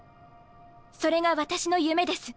それが私の夢です。